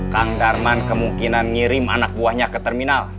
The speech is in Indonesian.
kang darman kemungkinan ngirim anak buahnya ke terminal